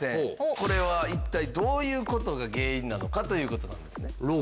これは一体どういう事が原因なのかという事なんですね。